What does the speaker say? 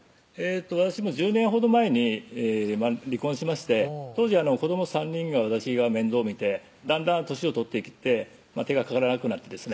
私も１０年ほど前に離婚しまして当時子ども３人が私が面倒見てだんだん年を取ってきて手がかからなくなってですね